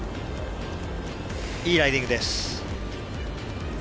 いいライディングです。